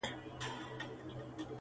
قربان د ډار له کيفيته چي رسوا يې کړم